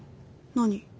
何？